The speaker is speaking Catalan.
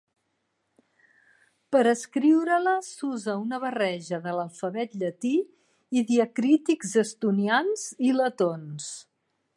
Per escriure-la s'usa una barreja de l'alfabet llatí i diacrítics estonians i letons.